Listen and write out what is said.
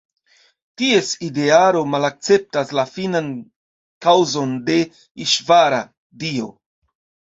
Ties idearo malakceptas la finan kaŭzon de "Iŝvara" (Dio).